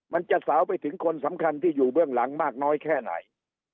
มันจะสาวไปถึงคนสำคัญที่อยู่เบื้องหลังมากน้อยแค่ไหน